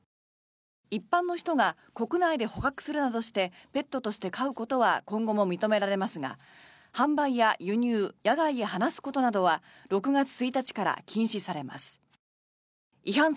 一般の人が国内で捕獲するなどしてペットとして飼うことは今後も認められますが販売や輸入野外へ放すことなどは６月１日から禁止されます。